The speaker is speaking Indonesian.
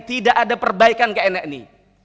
tidak ada perbaikan ke nni